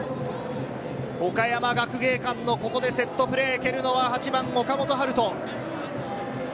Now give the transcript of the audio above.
岡山学芸館の、ここでセットプレー、蹴るのは８番・岡本温叶。